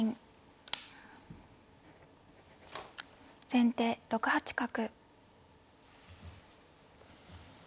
先手６八角。